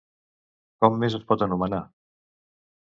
Com més es pot anomenar?